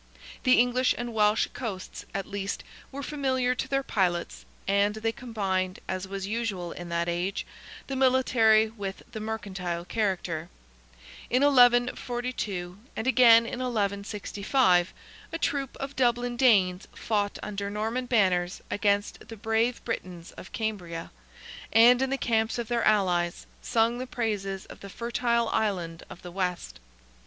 The English and Welsh coasts, at least, were familiar to their pilots, and they combined, as was usual in that age, the military with the mercantile character. In 1142, and again in 1165, a troop of Dublin Danes fought under Norman banners against the brave Britons of Cambria, and in the camps of their allies, sung the praises of the fertile island of the west.